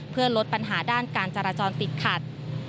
เพื่อลดปัญหาด้านการจราจรติดขัด